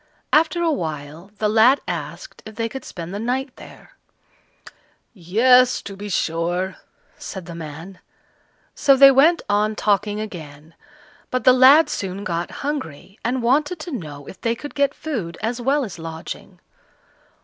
After a while, the lad asked if they could spend the night there. "Yes, to be sure," said the man. So they went on talking again, but the lad soon got hungry, and wanted to know if they could get food as well as lodging.